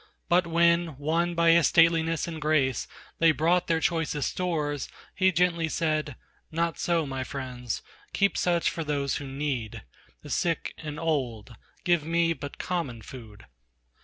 But when, won by his stateliness and grace, They brought their choicest stores, he gently said: "Not so, my friends, keep such for those who need The sick and old; give me but common food."